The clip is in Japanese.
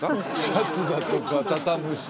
シャツだとか畳むし？